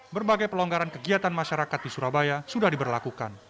berbagai pelonggaran kegiatan masyarakat di surabaya sudah diberlakukan